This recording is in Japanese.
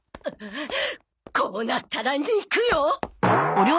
こうなったら肉よ！